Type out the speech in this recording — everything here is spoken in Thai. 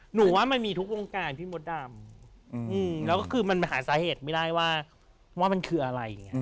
ว่ามันมีทุกวงการพี่มดดำแล้วก็คือมันหาสาเหตุไม่ได้ว่ามันคืออะไรอย่างนี้